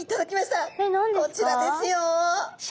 こちらですよ。